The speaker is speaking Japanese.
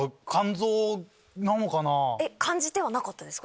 感じてはなかったですか？